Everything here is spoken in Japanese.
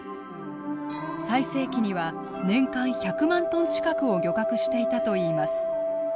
最盛期には年間１００万トン近くを漁獲していたといいます。